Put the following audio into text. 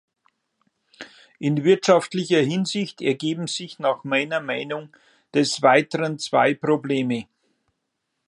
In wirtschaftlicher Hinsicht ergeben sich nach meiner Meinung des weiteren zwei Probleme.